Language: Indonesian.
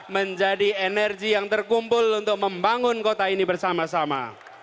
menjadi energi yang terkumpul untuk membangun kota ini bersama sama